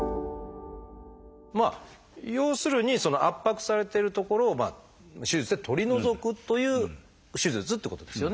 要するにその圧迫されてる所を手術で取り除くという手術ってことですよね。